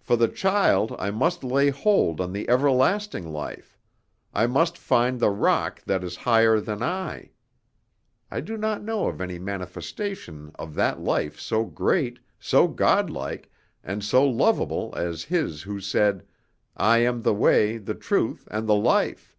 For the child I must lay hold on the everlasting life; I must find the rock that is higher than I. I do not know of any manifestation of that life so great, so godlike, and so lovable as His who said, 'I am the way, the truth, and the life.'"